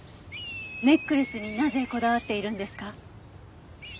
ネックレスになぜこだわっているんですか？